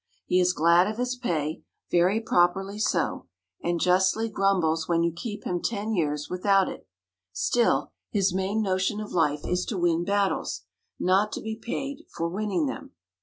He is glad of his pay very properly so, and justly grumbles when you keep him ten years without it still, his main notion of life is to win battles, not to be paid for winning them.